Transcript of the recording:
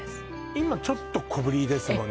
今ちょっと小ぶりですもんね